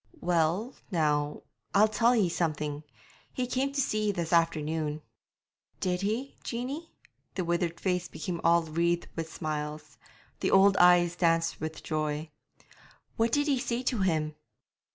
'Well, now, I'll tell ye something. He came to see ye this afternoon.' 'Did he, Jeanie?' The withered face became all wreathed with smiles; the old eyes danced with joy. 'What did ye say to him?'